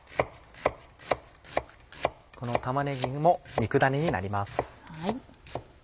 この玉ねぎも肉ダネになります。